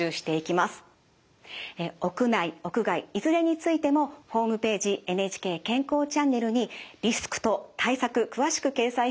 屋内屋外いずれについてもホームページ「ＮＨＫ健康チャンネル」にリスクと対策詳しく掲載しています。